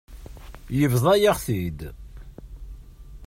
Yebḍa-yaɣ-t-id.